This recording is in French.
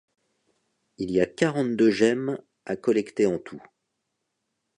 Il y a quarante-deux gemmes à collecter en tout.